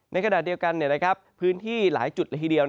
ในขณะเดียวกันพื้นที่หลายจุดละทีเดียว